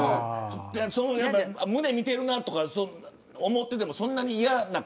胸、見ているなとか思っていても、そんなに嫌じゃ。